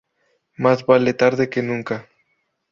Más vale tarde que nunca